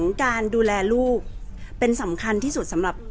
แต่ว่าสามีด้วยคือเราอยู่บ้านเดิมแต่ว่าสามีด้วยคือเราอยู่บ้านเดิม